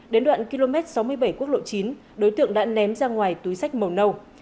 đến đoạn km sáu mươi bảy quốc lộ chín đối tượng đã ném ra ngoài túi sách màu nâu